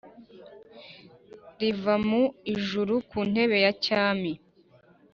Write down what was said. riva mu ijuru ku ntebe ya cyami